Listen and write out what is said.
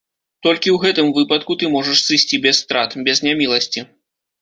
Толькі ў гэтым выпадку ты можаш сысці без страт, без няміласці.